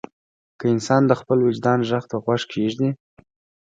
که انسان د خپل وجدان غږ ته غوږ کېږدي.